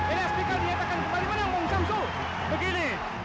elias pikal dinyatakan kembali menang om samso